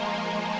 terima kasih pak